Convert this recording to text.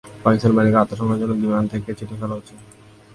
পাকিস্তানি বাহিনীকে আত্মসমর্পণের জন্য বিমান থেকে চিঠি ফেলা হচ্ছে।